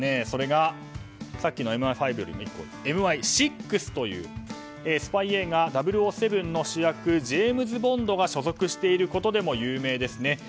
それがＭＩ５の次のＭＩ６というスパイ映画「００７」の主役ジェームズ・ボンドが所属していることでも有名ですね。